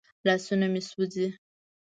لاسونه مې سوځي.